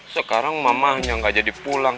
sekarang mama hanya gak jadi pulang